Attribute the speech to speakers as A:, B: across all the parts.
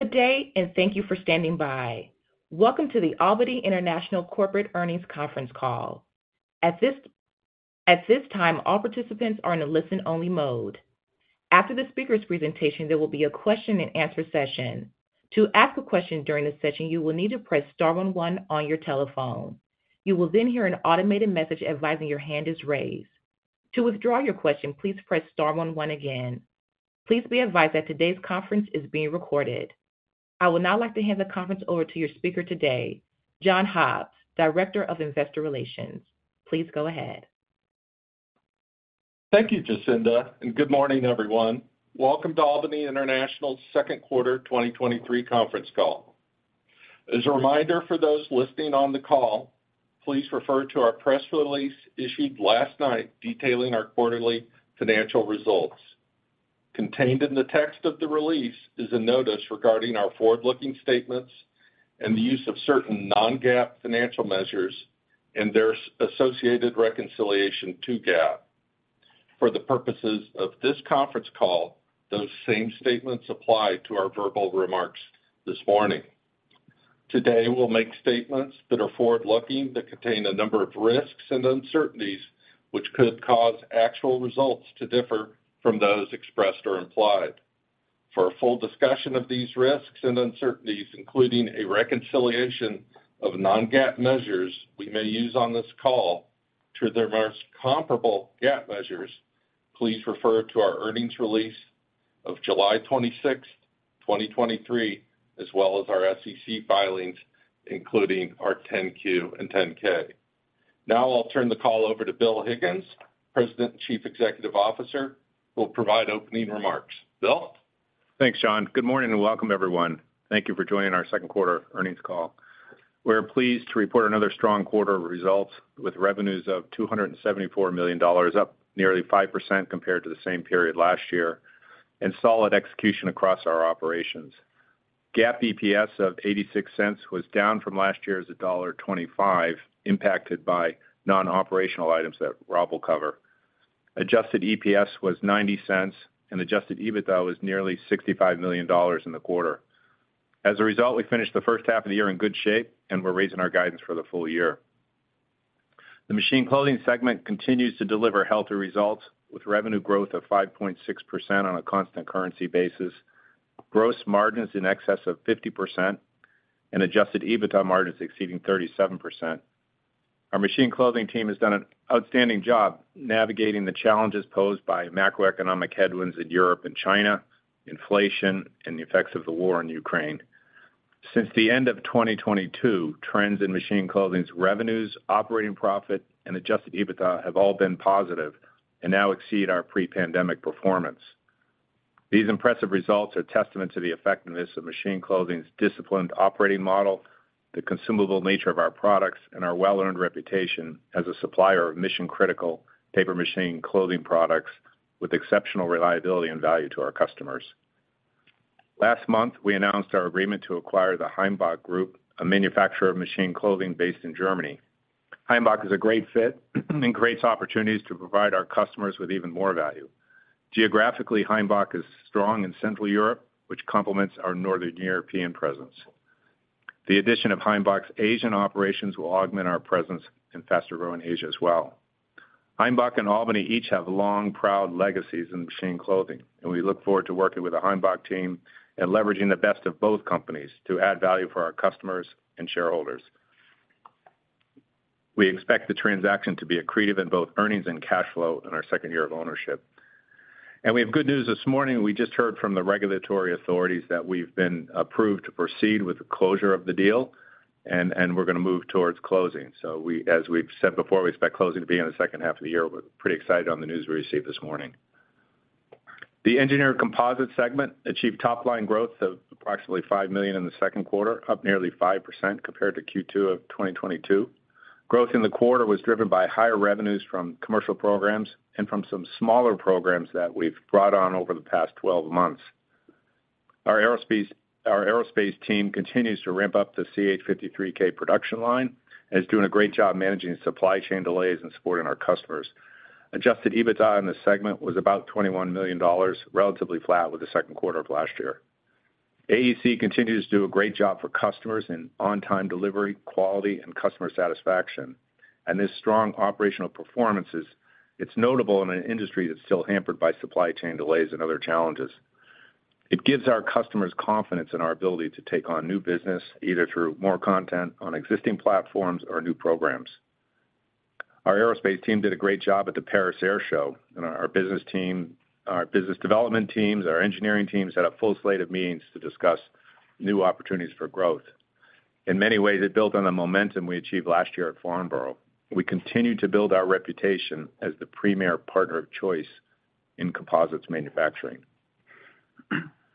A: Good day. Thank you for standing by. Welcome to the Albany International Corporate Earnings Conference Call. At this time, all participants are in a listen-only mode. After the speaker's presentation, there will be a question-and-answer session. To ask a question during the session, you will need to press star one one on your telephone. You will then hear an automated message advising your hand is raised. To withdraw your question, please press star one one again. Please be advised that today's conference is being recorded. I would now like to hand the conference over to your speaker today, John Hobbs, Director of Investor Relations. Please go ahead.
B: Thank you, Jacinda. Good morning, everyone. Welcome to Albany International's second quarter 2023 conference call. As a reminder for those listening on the call, please refer to our press release issued last night detailing our quarterly financial results. Contained in the text of the release is a notice regarding our forward-looking statements and the use of certain non-GAAP financial measures and their associated reconciliation to GAAP. For the purposes of this conference call, those same statements apply to our verbal remarks this morning. Today, we'll make statements that are forward-looking, that contain a number of risks and uncertainties, which could cause actual results to differ from those expressed or implied. For a full discussion of these risks and uncertainties, including a reconciliation of non-GAAP measures we may use on this call to their most comparable GAAP measures, please refer to our earnings release of July 26th, 2023, as well as our SEC filings, including our Form 10-Q and 10-K. I'll turn the call over to Bill Higgins, President and Chief Executive Officer, who will provide opening remarks. Bill?
C: Thanks, John. Good morning, and welcome, everyone. Thank you for joining our second quarter earnings call. We're pleased to report another strong quarter of results with revenues of $274 million, up nearly 5% compared to the same period last year, and solid execution across our operations. GAAP EPS of $0.86 was down from last year's $1.25, impacted by non-operational items that Rob will cover. Adjusted EPS was $0.90, and Adjusted EBITDA was nearly $65 million in the quarter. We finished the first half of the year in good shape, and we're raising our guidance for the full year. The Machine Clothing segment continues to deliver healthier results, with revenue growth of 5.6% on a constant currency basis, gross margins in excess of 50%, and Adjusted EBITDA margins exceeding 37%. Our Machine Clothing team has done an outstanding job navigating the challenges posed by macroeconomic headwinds in Europe and China, inflation, and the effects of the war in Ukraine. Since the end of 2022, trends in Machine Clothing's revenues, operating profit, and Adjusted EBITDA have all been positive and now exceed our pre-pandemic performance. These impressive results are testament to the effectiveness of Machine Clothing's disciplined operating model, the consumable nature of our products, and our well-earned reputation as a supplier of mission-critical paper Machine Clothing products with exceptional reliability and value to our customers. Last month, we announced our agreement to acquire the Heimbach Group, a manufacturer of Machine Clothing based in Germany. Heimbach is a great fit and creates opportunities to provide our customers with even more value. Geographically, Heimbach is strong in Central Europe, which complements our Northern European presence. The addition of Heimbach's Asian operations will augment our presence in faster-growing Asia as well. Heimbach and Albany each have long, proud legacies in Machine Clothing, and we look forward to working with the Heimbach team and leveraging the best of both companies to add value for our customers and shareholders. We expect the transaction to be accretive in both earnings and cash flow in our second year of ownership. We have good news this morning. We just heard from the regulatory authorities that we've been approved to proceed with the closure of the deal, and we're going to move towards closing. As we've said before, we expect closing to be in the second half of the year. We're pretty excited on the news we received this morning. The Engineered Composites segment achieved top-line growth of approximately $5 million in the second quarter, up nearly 5% compared to Q2 of 2022. Growth in the quarter was driven by higher revenues from commercial programs and from some smaller programs that we've brought on over the past 12 months. Our aerospace team continues to ramp up the CH-53K production line and is doing a great job managing supply chain delays and supporting our customers. Adjusted EBITDA in this segment was about $21 million, relatively flat with the second quarter of last year. AEC continues to do a great job for customers in on-time delivery, quality, and customer satisfaction. This strong operational performance. It's notable in an industry that's still hampered by supply chain delays and other challenges. It gives our customers confidence in our ability to take on new business, either through more content on existing platforms or new programs. Our aerospace team did a great job at the Paris Air Show, and our business development teams, our engineering teams, had a full slate of meetings to discuss new opportunities for growth. In many ways, it built on the momentum we achieved last year at Farnborough. We continue to build our reputation as the premier partner of choice in composites manufacturing.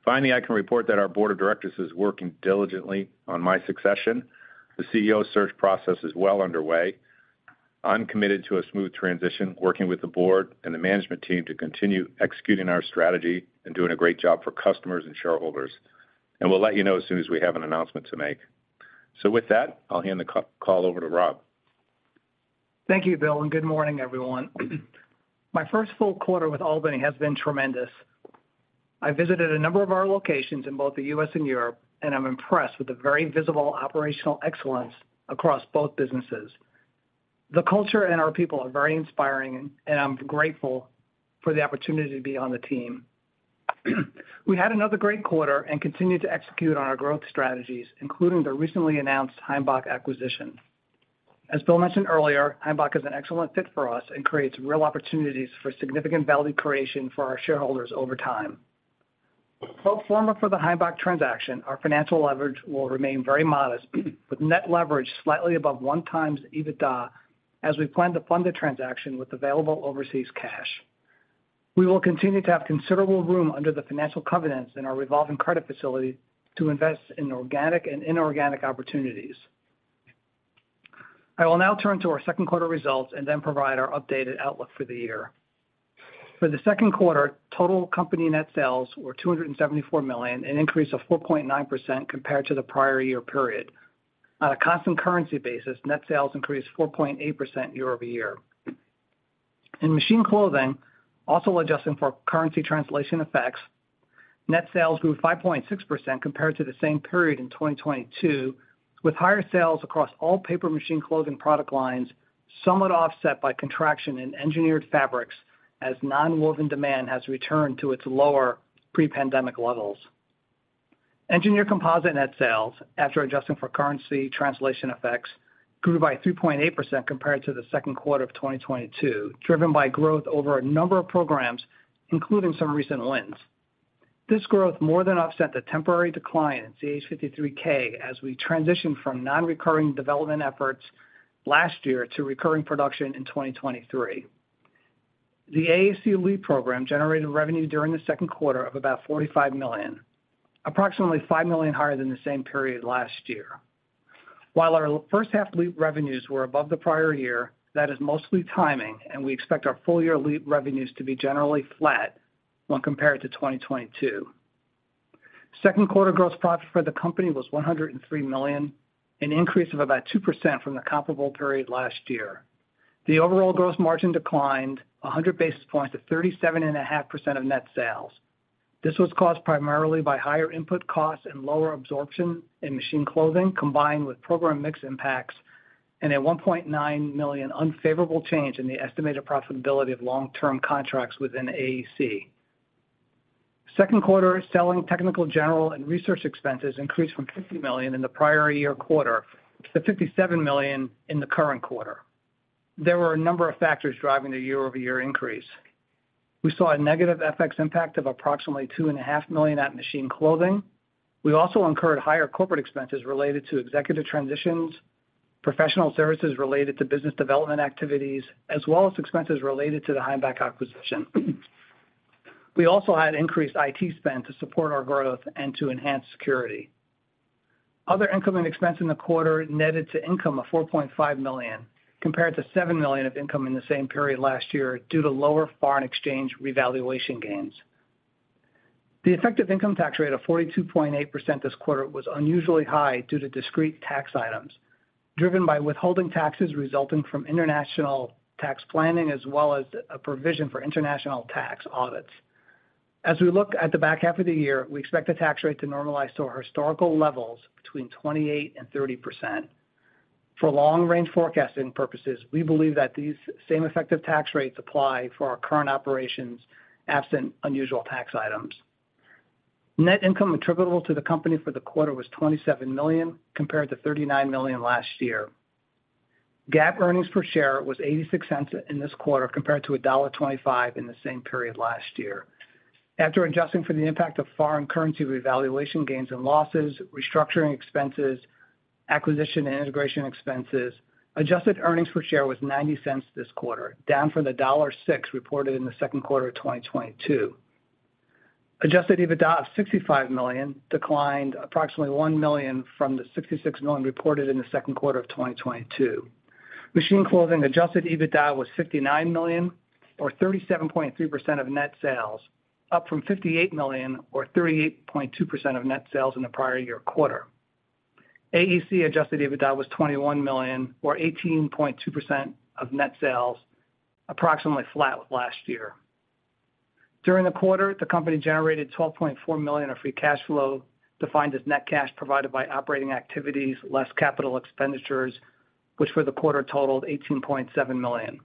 C: Finally, I can report that our board of directors is working diligently on my succession. The CEO search process is well underway. I'm committed to a smooth transition, working with the board and the management team to continue executing our strategy and doing a great job for customers and shareholders. We'll let you know as soon as we have an announcement to make. With that, I'll hand the call over to Rob.
D: Thank you, Bill. Good morning, everyone. My first full quarter with Albany has been tremendous. I visited a number of our locations in both the U.S. and Europe, and I'm impressed with the very visible operational excellence across both businesses. The culture and our people are very inspiring, and I'm grateful for the opportunity to be on the team. We had another great quarter and continued to execute on our growth strategies, including the recently announced Heimbach acquisition. As Bill mentioned earlier, Heimbach is an excellent fit for us and creates real opportunities for significant value creation for our shareholders over time. Pro forma for the Heimbach transaction, our financial leverage will remain very modest, with net leverage slightly above 1x EBITDA as we plan to fund the transaction with available overseas cash. We will continue to have considerable room under the financial covenants in our revolving credit facility to invest in organic and inorganic opportunities. I will now turn to our second quarter results and then provide our updated outlook for the year. For the second quarter, total company net sales were $274 million, an increase of 4.9% compared to the prior year period. On a constant currency basis, net sales increased 4.8% year-over-year. In Machine Clothing, also adjusting for currency translation effects, net sales grew 5.6% compared to the same period in 2022, with higher sales across all paper machine clothing product lines, somewhat offset by contraction in Engineered Fabrics as nonwoven demand has returned to its lower pre-pandemic levels. Engineered Composite net sales, after adjusting for currency translation effects, grew by 3.8% compared to the second quarter of 2022, driven by growth over a number of programs, including some recent wins. This growth more than offset the temporary decline in CH-53K as we transitioned from non-recurring development efforts last year to recurring production in 2023. The AEC LEAP program generated revenue during the second quarter of about $45 million, approximately $5 million higher than the same period last year. While our first half LEAP revenues were above the prior year, that is mostly timing. We expect our full-year LEAP revenues to be generally flat when compared to 2022. Second quarter gross profit for the company was $103 million, an increase of about 2% from the comparable period last year. The overall gross margin declined 100 basis points to 37.5% of net sales. This was caused primarily by higher input costs and lower absorption in Machine Clothing, combined with program mix impacts and a $1.9 million unfavorable change in the estimated profitability of long-term contracts within AEC. Second quarter selling, technical, general, and research expenses increased from $50 million in the prior year quarter to $57 million in the current quarter. There were a number of factors driving the year-over-year increase. We saw a negative FX impact of approximately $2.5 million at Machine Clothing. We also incurred higher corporate expenses related to executive transitions, professional services related to business development activities, as well as expenses related to the Heimbach acquisition. We also had increased IT spend to support our growth and to enhance security. Other income and expense in the quarter netted to income of $4.5 million, compared to $7 million of income in the same period last year due to lower foreign exchange revaluation gains. The effective income tax rate of 42.8% this quarter was unusually high due to discrete tax items, driven by withholding taxes resulting from international tax planning, as well as a provision for international tax audits. As we look at the back half of the year, we expect the tax rate to normalize to our historical levels between 28% and 30%. For long-range forecasting purposes, we believe that these same effective tax rates apply for our current operations, absent unusual tax items. Net income attributable to the company for the quarter was $27 million, compared to $39 million last year. GAAP earnings per share was $0.86 in this quarter, compared to $1.25 in the same period last year. After adjusting for the impact of foreign currency revaluation gains and losses, restructuring expenses, acquisition and integration expenses, adjusted earnings per share was $0.90 this quarter, down from $1.06 reported in the second quarter of 2022. Adjusted EBITDA of $65 million declined approximately $1 million from the $66 million reported in the second quarter of 2022. Machine Clothing adjusted EBITDA was $59 million, or 37.3% of net sales, up from $58 million or 38.2% of net sales in the prior year quarter. AEC adjusted EBITDA was $21 million, or 18.2% of net sales, approximately flat with last year. During the quarter, the company generated $12.4 million of free cash flow, defined as net cash provided by operating activities less capital expenditures, which for the quarter totaled $18.7 million.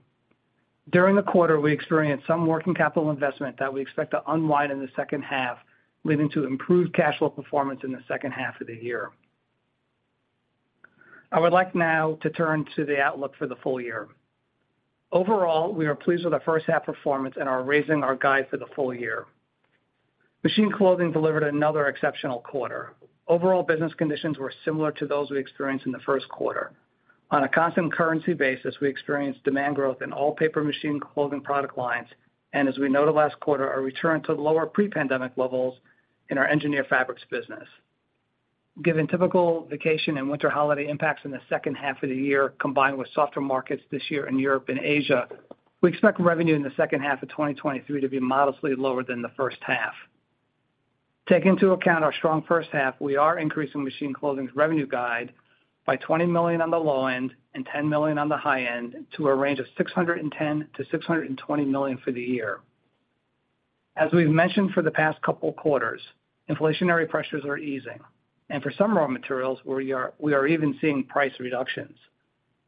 D: During the quarter, we experienced some working capital investment that we expect to unwind in the second half, leading to improved cash flow performance in the second half of the year. I would like now to turn to the outlook for the full year. Overall, we are pleased with our first half performance and are raising our guide for the full year. Machine Clothing delivered another exceptional quarter. Overall business conditions were similar to those we experienced in the first quarter. On a constant currency basis, we experienced demand growth in all paper Machine Clothing product lines, and as we noted last quarter, a return to lower pre-pandemic levels in our Engineered Fabrics business. Given typical vacation and winter holiday impacts in the second half of the year, combined with softer markets this year in Europe and Asia, we expect revenue in the second half of 2023 to be modestly lower than the first half. Taking into account our strong first half, we are increasing Machine Clothing's revenue guide by $20 million on the low end and $10 million on the high end to a range of $610 million-$620 million for the year. As we've mentioned for the past couple of quarters, inflationary pressures are easing, and for some raw materials, we are even seeing price reductions.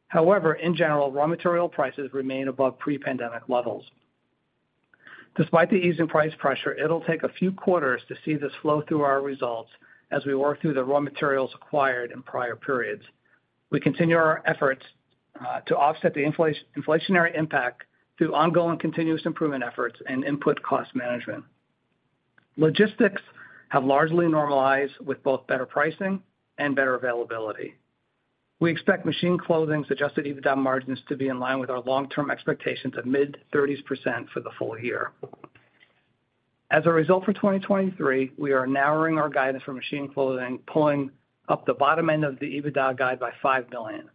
D: However, in general, raw material prices remain above pre-pandemic levels. Despite the ease in price pressure, it'll take a few quarters to see this flow through our results as we work through the raw materials acquired in prior periods. We continue our efforts to offset the inflationary impact through ongoing continuous improvement efforts and input cost management. Logistics have largely normalized with both better pricing and better availability. We expect Machine Clothing's adjusted EBITDA margins to be in line with our long-term expectations of mid-30s% for the full year. As a result, for 2023, we are narrowing our guidance for Machine Clothing, pulling up the bottom end of the EBITDA guide by $5 million.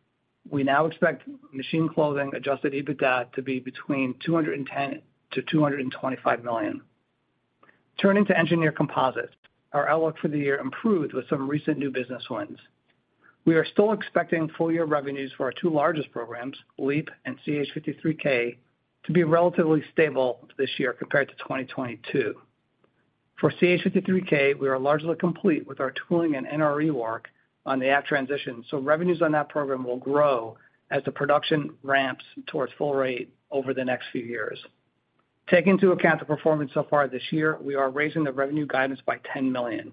D: We now expect Machine Clothing adjusted EBITDA to be between $210 million-$225 million. Turning to Engineered Composites, our outlook for the year improved with some recent new business wins. We are still expecting full-year revenues for our two largest programs, LEAP and CH-53K, to be relatively stable this year compared to 2022. For CH-53K, we are largely complete with our tooling and NRE work on the app transition, so revenues on that program will grow as the production ramps towards full rate over the next few years. Taking into account the performance so far this year, we are raising the revenue guidance by $10 million.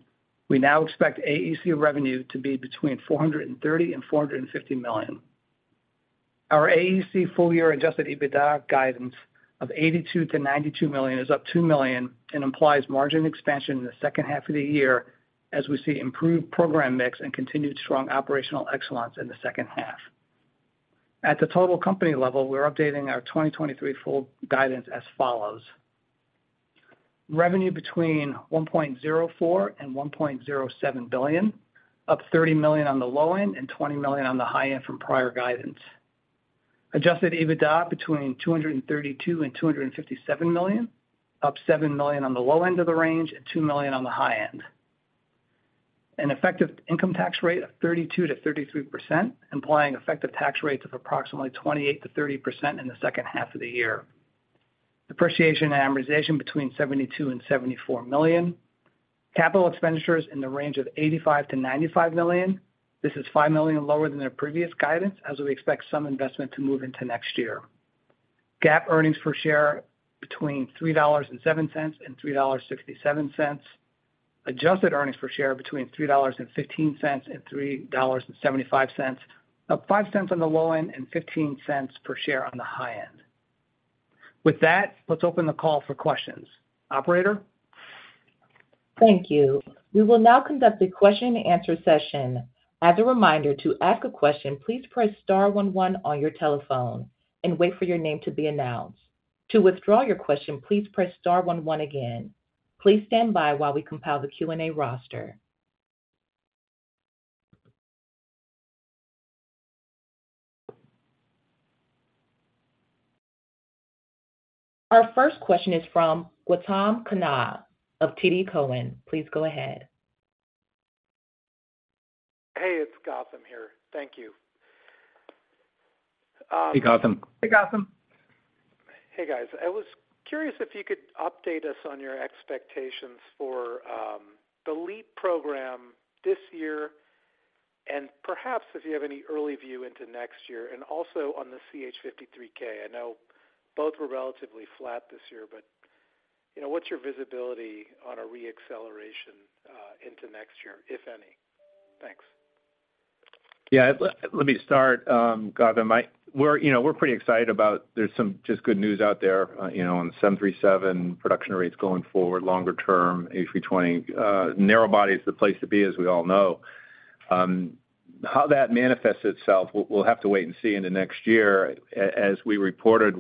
D: We now expect AEC revenue to be between $430 million and $450 million. Our AEC full-year Adjusted EBITDA guidance of $82 million-$92 million is up $2 million and implies margin expansion in the second half of the year as we see improved program mix and continued strong operational excellence in the second half. At the total company level, we're updating our 2023 full guidance as follows: revenue between $1.04 billion and $1.07 billion, up $30 million on the low end and $20 million on the high end from prior guidance. Adjusted EBITDA between $232 million and $257 million, up $7 million on the low end of the range and $2 million on the high end. An effective income tax rate of 32%-33%, implying effective tax rates of approximately 28%-30% in the second half of the year. Depreciation and amortization between $72 million and $74 million. Capital expenditures in the range of $85 million-$95 million. This is $5 million lower than their previous guidance, as we expect some investment to move into next year. GAAP earnings per share between $3.07 and $3.67. Adjusted earnings per share between $3.15 and $3.75, up $0.05 on the low end and $0.15 per share on the high end. With that, let's open the call for questions. Operator?
A: Thank you. We will now conduct a question and answer session. As a reminder, to ask a question, please press star one one on your telephone and wait for your name to be announced. To withdraw your question, please press star one one again. Please stand by while we compile the Q&A roster. Our first question is from Gautam Khanna of TD Cowen. Please go ahead.
E: Hey, it's Gautam here. Thank you.
C: Hey, Gautam.
D: Hey, Gautam.
E: Hey, guys. I was curious if you could update us on your expectations for the LEAP program this year, and perhaps if you have any early view into next year, and also on the CH-53K. I know both were relatively flat this year, but, you know, what's your visibility on a reacceleration into next year, if any? Thanks.
C: Let me start, Gautam. We're, you know, we're pretty excited about there's some just good news out there, you know, on the 737 production rates going forward, longer term, A320. Narrow body is the place to be, as we all know. How that manifests itself, we'll have to wait and see in the next year. As we reported,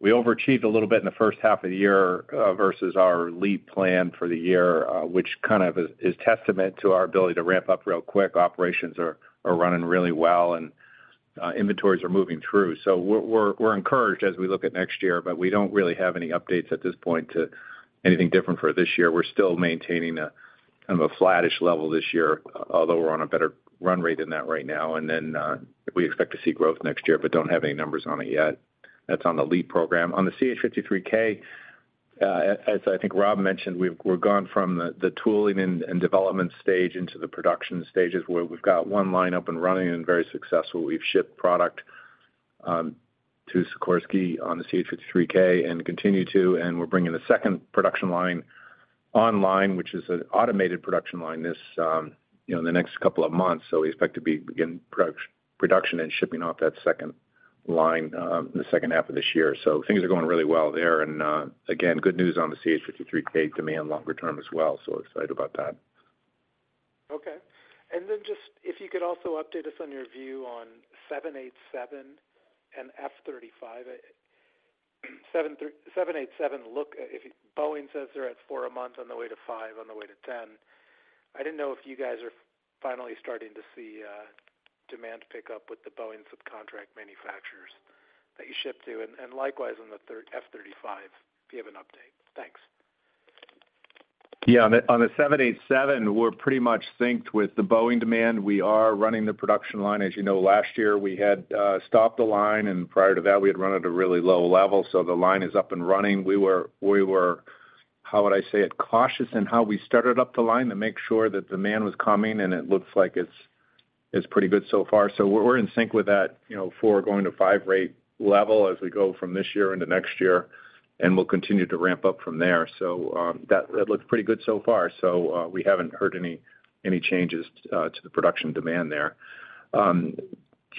C: we overachieved a little bit in the first half of the year versus our lead plan for the year, which kind of is testament to our ability to ramp up real quick. Operations are running really well, and inventories are moving through. We're encouraged as we look at next year, but we don't really have any updates at this point to anything different for this year. We're still maintaining a, kind of a flattish level this year, although we're on a better run rate than that right now. We expect to see growth next year, but don't have any numbers on it yet. That's on the LEAP program. On the CH53K, as I think Rob mentioned, we're gone from the tooling and development stage into the production stages, where we've got one line up and running and very successful. We've shipped product to Sikorsky on the CH53K and continue to, we're bringing the second production line online, which is an automated production line, this, you know, in the next couple of months. We expect to be beginning production and shipping off that second line in the second half of this year. Things are going really well there. Again, good news on the CH-53K demand longer term as well, so excited about that.
E: Okay. Just if you could also update us on your view on 787 and F-35. 787, look, if Boeing says they're at four a month on the way to five, on the way to 10. I didn't know if you guys are finally starting to see demand pick up with the Boeing subcontract manufacturers that you ship to, and likewise, on the F-35, if you have an update. Thanks.
C: Yeah, on the, on the 787, we're pretty much synced with the Boeing demand. We are running the production line. As you know, last year, we had stopped the line, and prior to that, we had run at a really low level, so the line is up and running. We were, how would I say it? Cautious in how we started up the line to make sure that demand was coming, and it looks like it's pretty good so far. We're in sync with that, you know, four going to five rate level as we go from this year into next year, and we'll continue to ramp up from there. That looks pretty good so far, so we haven't heard any changes to the production demand there. On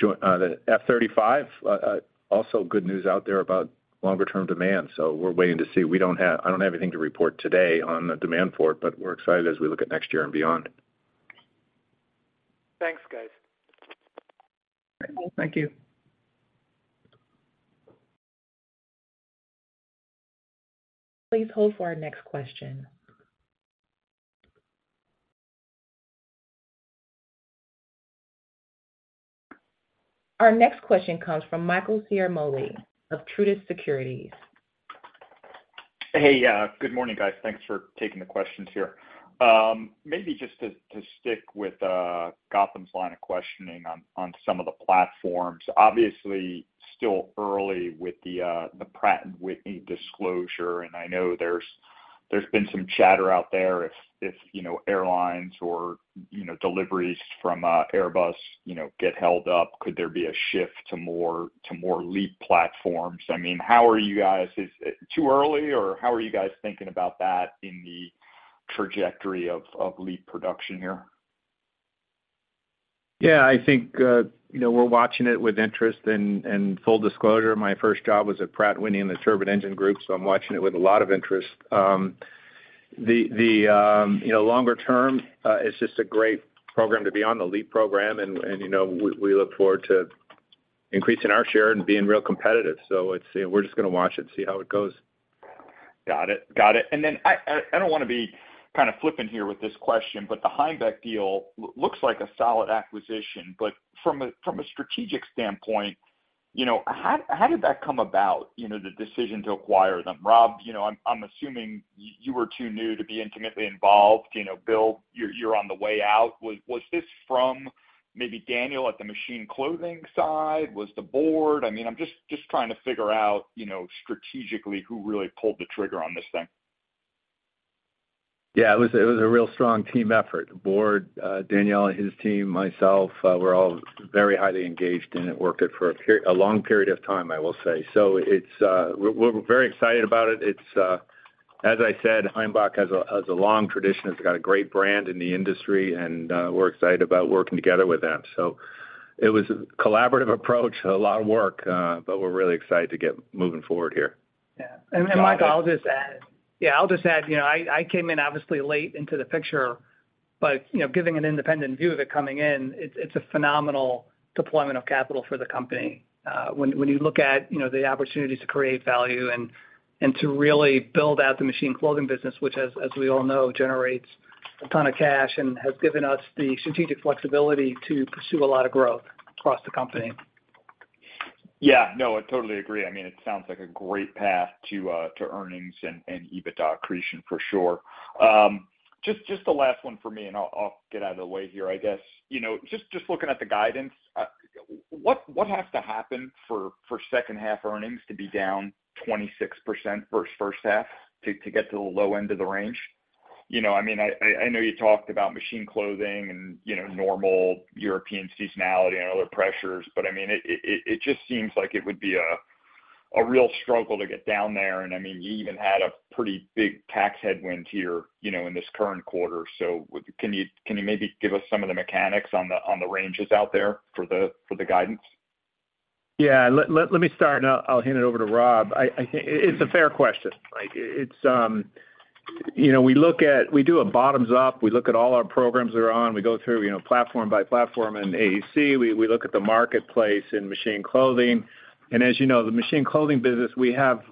C: the F-35, also good news out there about longer term demand, so we're waiting to see. I don't have anything to report today on the demand for it, but we're excited as we look at next year and beyond.
D: Thanks, guys.
C: Thank you.
A: Please hold for our next question. Our next question comes from Michael Ciarmoli of Truist Securities.
F: Good morning, guys. Thanks for taking the questions here. Maybe just to stick with Gautam's line of questioning on some of the platforms. Obviously, still early with the Pratt & Whitney disclosure, and I know there's been some chatter out there. If, you know, airlines or, you know, deliveries from Airbus, you know, get held up, could there be a shift to more LEAP platforms? I mean, is it too early, or how are you guys thinking about that in the trajectory of LEAP production here?
C: Yeah, I think, you know, we're watching it with interest, and full disclosure, my first job was at Pratt & Whitney in the turbine engine group, so I'm watching it with a lot of interest. You know, longer term, it's just a great program to be on, the LEAP program, and, you know, we look forward to increasing our share and being real competitive. We're just gonna watch it and see how it goes.
F: Got it. I don't wanna be kind of flippant here with this question, but the Heimbach deal looks like a solid acquisition. From a strategic standpoint, you know, how did that come about, you know, the decision to acquire them? Rob, you know, I'm assuming you were too new to be intimately involved. You know, Bill, you're on the way out. Was this from maybe Daniel at the Machine Clothing side? Was the board? I mean, I'm just trying to figure out, you know, strategically, who really pulled the trigger on this thing.
C: Yeah, it was a real strong team effort. The board, Daniel and his team, myself, we're all very highly engaged in it, worked it for a long period of time, I will say. We're very excited about it. As I said, Heimbach has a long tradition. It's got a great brand in the industry, and we're excited about working together with them. It was a collaborative approach, a lot of work, but we're really excited to get moving forward here.
D: Yeah. Michael I'll just add. Yeah, I'll just add, you know, I, I came in obviously late into the picture, but, you know, giving an independent view of it coming in, it's, it's a phenomenal deployment of capital for the company. when you look at, you know, the opportunities to create value and, and to really build out the Machine Clothing business, which as we all know, generates a ton of cash and has given us the strategic flexibility to pursue a lot of growth across the company.
F: Yeah. No, I totally agree. I mean, it sounds like a great path to earnings and EBITDA accretion, for sure. Just the last one for me, and I'll get out of the way here, I guess. You know, just looking at the guidance, what has to happen for second half earnings to be down 26% versus first half to get to the low end of the range? You know, I mean, I know you talked about Machine Clothing and, you know, normal European seasonality and other pressures, but I mean, it just seems like it would be a real struggle to get down there. I mean, you even had a pretty big tax headwind here, you know, in this current quarter. Can you maybe give us some of the mechanics on the, on the ranges out there for the, for the guidance?
C: Yeah, let me start, and I'll hand it over to Rob. I think it's a fair question. Like, it's, you know, we do a bottoms up. We look at all our programs that are on. We go through, you know, platform by platform and AEC. We look at the marketplace in Machine Clothing. As you know, the Machine Clothing business, we have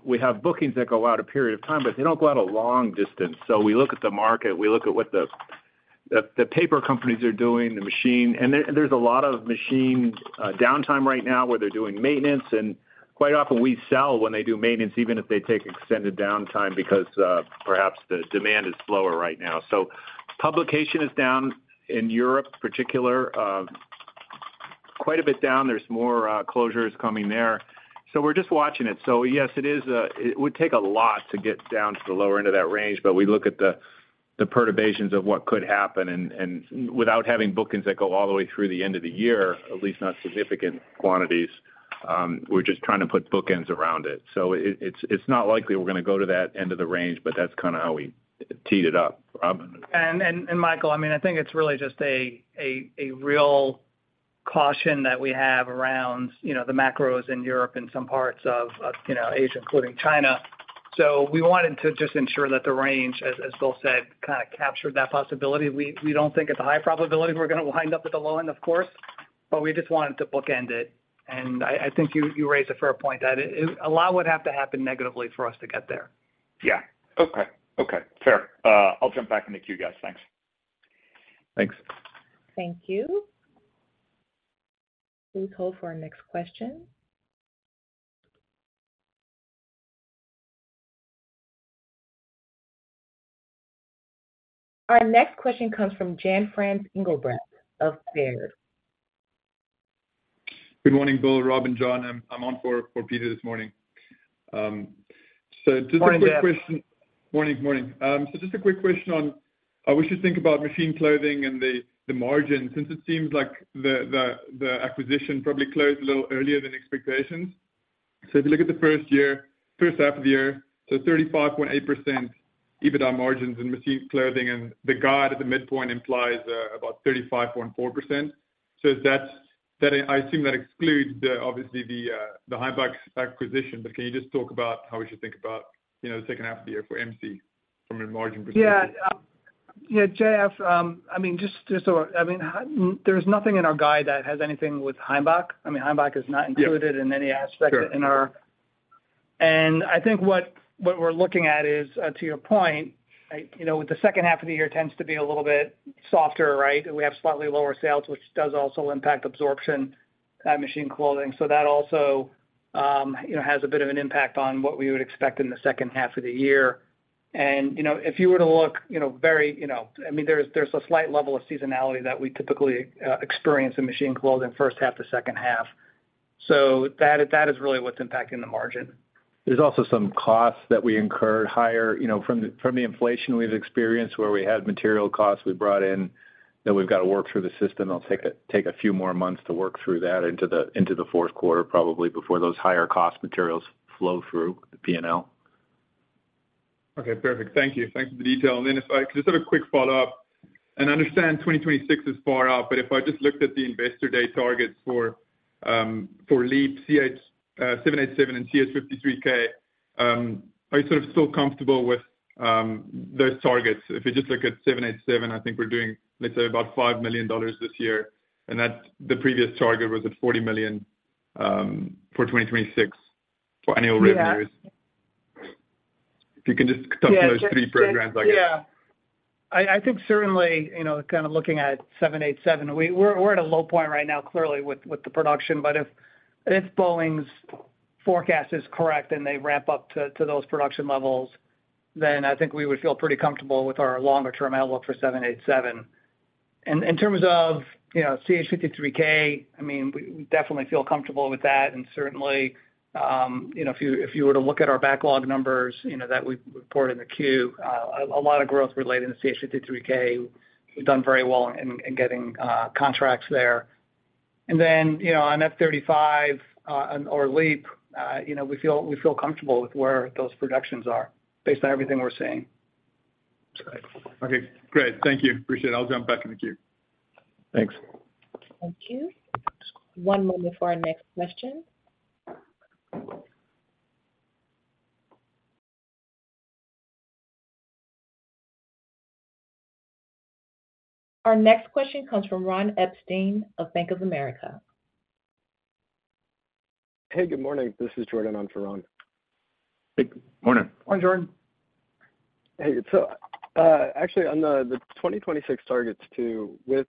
C: bookings that go out a period of time, but they don't go out a long distance. We look at the market, we look at what the paper companies are doing, and there's a lot of machine downtime right now where they're doing maintenance. Quite often, we sell when they do maintenance, even if they take extended downtime, because perhaps the demand is slower right now. Publication is down in Europe, particular, quite a bit down. There's more closures coming there. We're just watching it. Yes, it is, it would take a lot to get down to the lower end of that range, but we look at the, the perturbations of what could happen, and without having bookings that go all the way through the end of the year, at least not significant quantities, we're just trying to put bookends around it. It's not likely we're gonna go to that end of the range, but that's kind of how we teed it up. Rob?
D: Michael, I mean, I think it's really just a real caution that we have around, you know, the macros in Europe and some parts of, you know, Asia, including China. We wanted to just ensure that the range, as Bill said, kind of captured that possibility. We don't think it's a high probability we're gonna wind up at the low end, of course. We just wanted to bookend it, and I think you raised a fair point, that a lot would have to happen negatively for us to get there.
F: Yeah. Okay, okay, fair. I'll jump back in the queue, guys. Thanks. Thanks.
A: Thank you. Please hold for our next question. Our next question comes from Jan-Franx Englebrecht of Baird.
G: Good morning, Bill, Rob, and John. I'm on for Peter this morning. Just a quick question.
D: Morning, Jan.
G: Morning, morning. Just a quick question on how we should think about Machine Clothing and the margin, since it seems like the acquisition probably closed a little earlier than expectations. If you look at the first year, first half of the year, 35.8% EBITDA margins in Machine Clothing, and the guide at the midpoint implies about 35.4%. That's I assume that excludes the obviously the Heimbach acquisition. Can you just talk about how we should think about, you know, the second half of the year for MC from a margin perspective?
D: Yeah. Yeah, JF, I mean, just so I mean, there's nothing in our guide that has anything with Heimbach. I mean, Heimbach is not included.
G: Yeah.
D: in any aspect in our...
G: Sure.
D: I think what we're looking at is, to your point, I, you know, the second half of the year tends to be a little bit softer, right? We have slightly lower sales, which does also impact absorption, Machine Clothing. That also, you know, has a bit of an impact on what we would expect in the second half of the year. You know, if you were to look, you know, very, you know, I mean, there's a slight level of seasonality that we typically experience in Machine Clothing, first half to second half. That is really what's impacting the margin.
C: There's also some costs that we incurred higher, you know, from the, from the inflation we've experienced, where we had material costs we brought in, that we've got to work through the system. It'll take a, take a few more months to work through that into the, into the fourth quarter, probably, before those higher cost materials flow through the P&L.
G: Okay, perfect. Thank you. Thanks for the detail. If I could just have a quick follow-up. I understand 2026 is far out, but if I just looked at the Investor Day targets for LEAP, CH, 787 and CH-53K, are you sort of still comfortable with those targets? If you just look at 787, I think we're doing, let's say, about $5 million this year, and that the previous target was at $40 million for 2026 for annual revenues.
D: Yeah.
G: If you can just talk to those three programs, I guess.
D: I think certainly, you know, kind of looking at 787, we're at a low point right now, clearly, with the production. If Boeing's forecast is correct, and they ramp up to those production levels, then I think we would feel pretty comfortable with our longer-term outlook for 787. In terms of, you know, CH-53K, I mean, we definitely feel comfortable with that. Certainly, you know, if you were to look at our backlog numbers, you know, that we reported in the Q, a lot of growth related to CH-53K. We've done very well in getting contracts there. Then, you know, on F-35, or LEAP, you know, we feel comfortable with where those productions are based on everything we're seeing.
G: Okay, great. Thank you. Appreciate it. I'll jump back in the queue.
C: Thanks.
A: Thank you. One moment for our next question. Our next question comes from Ronald Epstein of Bank of America.
H: Hey, good morning. This is Jordan on for Ron.
C: Hey, Morning.
D: Morning, Jordan.
H: Actually, on the 2026 targets, too, with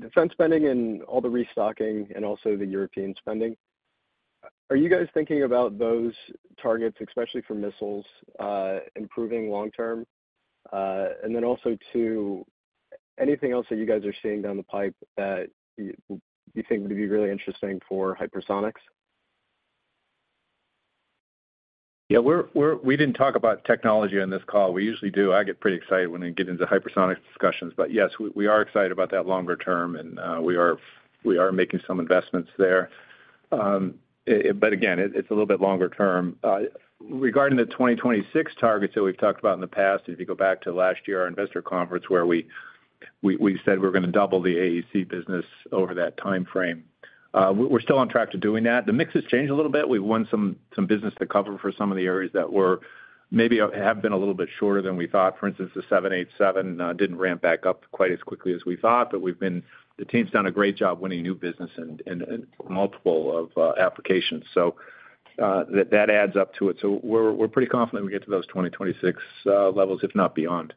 H: defense spending and all the restocking and also the European spending, are you guys thinking about those targets, especially for missiles, improving long term? Also, too, anything else that you think would be really interesting for hypersonics?
C: We didn't talk about technology on this call. We usually do. I get pretty excited when we get into hypersonic discussions, but yes, we are excited about that longer term, and we are making some investments there. Again, it's a little bit longer term. Regarding the 2026 targets that we've talked about in the past, if you go back to last year, our Investor Day, where we said we're gonna double the AEC business over that timeframe, we're still on track to doing that. The mix has changed a little bit. We've won some business to cover for some of the areas that were, maybe have been a little bit shorter than we thought. For instance, the 787 didn't ramp back up quite as quickly as we thought, but the team's done a great job winning new business and multiple of applications. That adds up to it. We're pretty confident we get to those 2026 levels, if not beyond.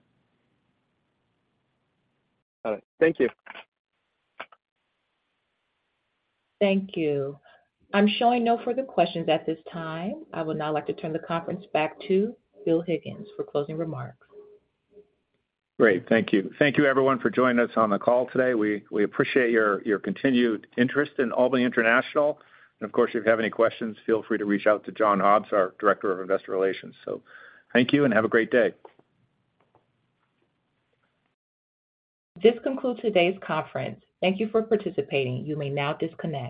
H: Got it. Thank you.
A: Thank you. I'm showing no further questions at this time. I would now like to turn the conference back to Bill Higgins for closing remarks.
C: Great. Thank you. Thank you, everyone, for joining us on the call today. We appreciate your continued interest in Albany International. Of course, if you have any questions, feel free to reach out to John Hobbs, our Director of Investor Relations. Thank you and have a great day.
A: This concludes today's conference. Thank you for participating. You may now disconnect.